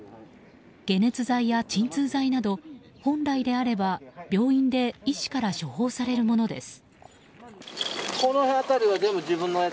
解熱剤や鎮痛剤など本来であれば病院で医師から処方されるものです。